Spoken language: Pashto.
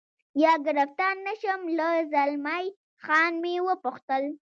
یا ګرفتار نه شم، له زلمی خان مې و پوښتل.